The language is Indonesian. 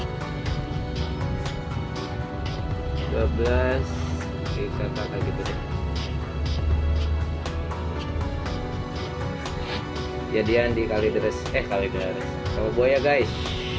dua belas kereka kereka gitu jadian di kalideres eh kalideres kalau gue guys